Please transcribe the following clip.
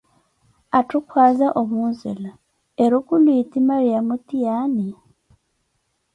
Atthu kwaaza o muzela, erukulu eti Mariyamo tiaani ?